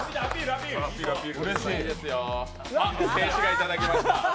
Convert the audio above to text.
静止画、いただきました。